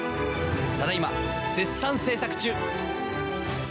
ただいま絶賛制作中！